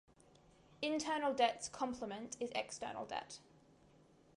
Internal debt's complement is external debt.